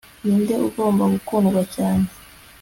ninde ugomba gukundwa cyane